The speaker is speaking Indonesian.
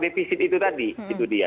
defisit itu tadi itu dia